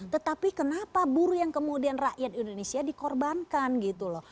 tetapi kenapa buruh yang kemudian rakyat indonesia dikorbankan gitu loh